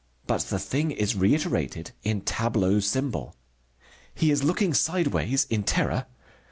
But the thing is reiterated in tableau symbol. He is looking sideways in terror.